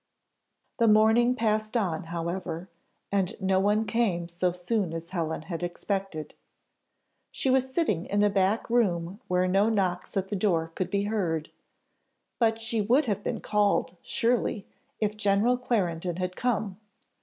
The morning passed on, however, and no one came so soon as Helen had expected. She was sitting in a back room where no knocks at the door could be heard; but she would have been called, surely, if General Clarendon had come.